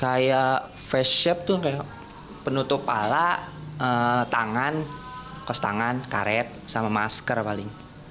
kayak face ship tuh kayak penutup pala tangan kos tangan karet sama masker paling